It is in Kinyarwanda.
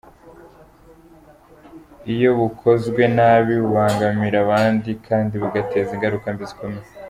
Iyo bukozwe nabi bubangamira abandi kandi bugateza ingaruka mbi zikomeye.